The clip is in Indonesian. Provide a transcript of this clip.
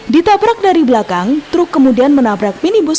ditabrak dari belakang truk kemudian menabrak minibus